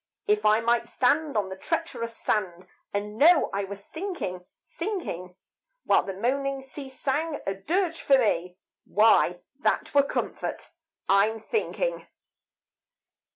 If I might stand on the treacherous sand, And know I was sinking, sinking, While the moaning sea sang a dirge for me, Why, that were comfort, I'm thinking.